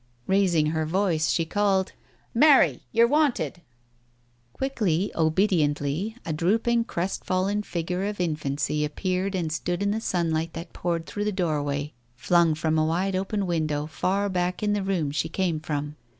Raising her voice she called — "Mary! You're wanted." Quickly, obediently, a drooping, crestfallen figure of infancy appeared and stood in the sunlight that poured through the doorway, flung from a wide open window far back in the room she came from.